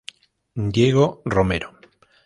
Diego Romero.